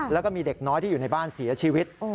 แล้วก็มีเด็กน้อยที่อยู่ในบ้านเสียชีวิต